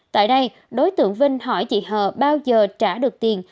tại đây đối tượng vinh hỏi chị hờ bao giờ trả được tiền